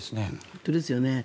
本当ですよね。